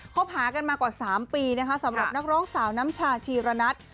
บหากันมากว่า๓ปีนะคะสำหรับนักร้องสาวน้ำชาชีระนัท